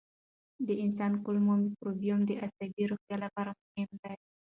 د انسان کولمو مایکروبیوم د عصبي روغتیا لپاره مهم دی.